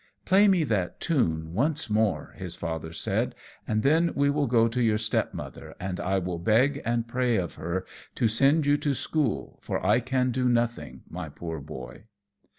"Play me that tune once more," his Father said, "and then we will go to your step mother, and I will beg and pray of her to send you to school, for I can do nothing, my poor Boy."